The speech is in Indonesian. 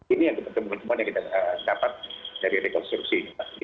ini yang kita temukan semua yang kita dapat dari rekonstruksi